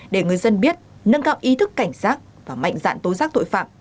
để người dân biết nâng cao ý thức cảnh sát và mạnh dạng tối giác tội phạm